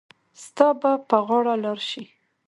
ستا به په غاړه لار شي.